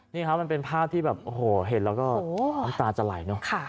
นี่เป็นภาพที่เห็นแล้วตาจะไหล